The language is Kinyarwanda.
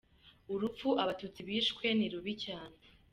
Urupfu Abatutsi bishwe, ni rubi cyane.